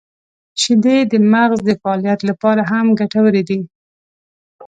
• شیدې د مغز د فعالیت لپاره هم ګټورې دي.